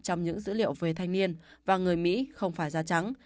trong những dữ liệu về thanh niên và người mỹ không phải da trắng